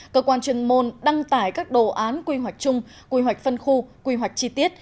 cơ quan chuyên môn đăng tải các đồ án quy hoạch chung quy hoạch phân khu quy hoạch chi tiết